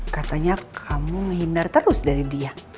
katanya kamu menghindar terus dari dia